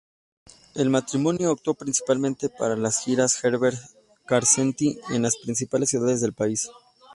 El matrimonio actuó principalmente para las giras Herbert-Karsenty en las principales ciudades del país.